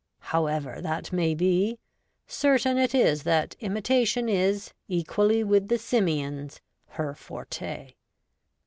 However that ^may be, certain it is that imitation is, equally with the simians, her forte.